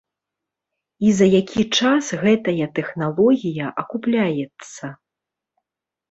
І за які час гэтая тэхналогія акупляецца?